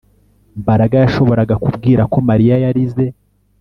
Mbaraga yashoboraga kubwira ko Mariya yarize